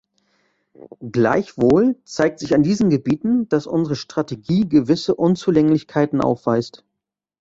Gleichwohl zeigt sich an diesen Gebieten, dass unsere Strategie gewisse Unzulänglichkeiten aufweist.